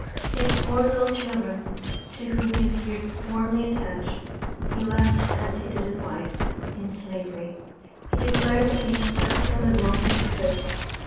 His four little children, to whom he appeared warmly attached, he left as he did his wife in Slavery. He declared that he "stuck to them as long as he could."